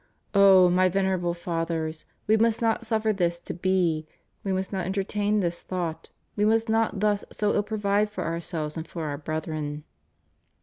Oh, my Venerable Fathers, we must not suffer this to be, we must not entertain this thought, we must not thus so ill provide for ourselves and for our brethren."